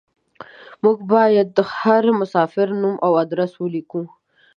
موږ بايد د هر مساپر نوم او ادرس وليکو.